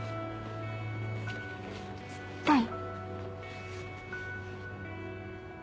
痛い？